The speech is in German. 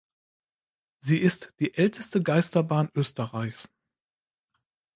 Sie ist die älteste Geisterbahn Österreichs.